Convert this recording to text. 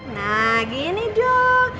nah gini dong